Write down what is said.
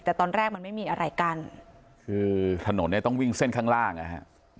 แต่ตอนแรกมันไม่มีอะไรกั้นคือถนนเนี้ยต้องวิ่งเส้นข้างล่างอ่ะฮะ